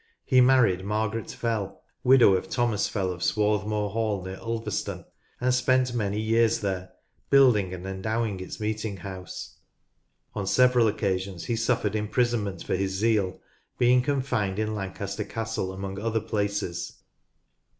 He married Margaret Fell, widow of Thomas Fell of Swarthmoor Hall near Ulverston, and spent many Sir Richard Arkwright years there, building and endowing its meeting house. On several occasions he suffered imprisonment for his zeal, being confined in Lancaster Castle among other places.